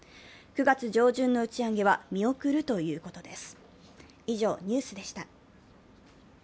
９月上旬の打ち上げは見送るということです。